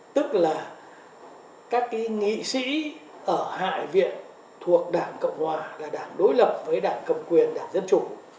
tức là các cái nghị sĩ ở hạ viện thuộc đảng cộng hòa là đảng đối lập với đảng cầm quyền đảng dân chủ